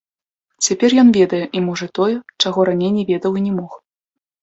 Цяпер ён ведае і можа тое, чаго раней не ведаў і не мог.